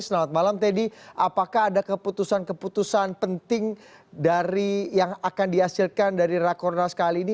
selamat malam teddy apakah ada keputusan keputusan penting dari yang akan dihasilkan dari rakornas kali ini